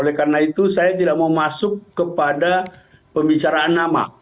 oleh karena itu saya tidak mau masuk kepada pembicaraan nama